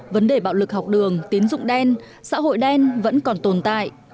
vấn đề bạo lực học đường tiến dụng đen xã hội đen vẫn còn tồn tại